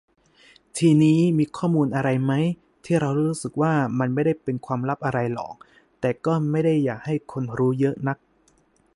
ทีนี้ มีข้อมูลอะไรมั๊ย ที่เรารู้สึกว่า มันไม่ได้เป็นความลับอะไรหรอก แต่ก็ไม่ได้อยากให้คนรู้เยอะนัก